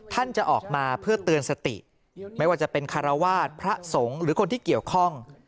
ท่านจะออกมาเพื่อเตือนสติไม่ว่าจะเป็นคารวาสพระสงฆ์หรือคนที่เกี่ยวข้อง